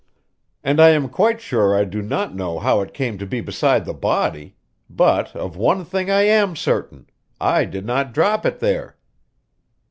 "And I am quite sure I do not know how it came to be beside the body, but of one thing I am certain I did not drop it there."